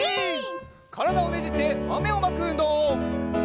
からだをねじってまめをまくうんどう！